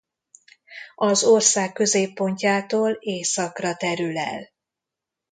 Az ország középpontjától északra terül el.